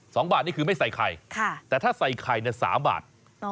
สองบาทนี่คือไม่ใส่ไข่ค่ะแต่ถ้าใส่ไข่เนี่ยสามบาท